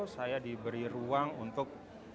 saya diberi ruang untuk